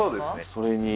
それに。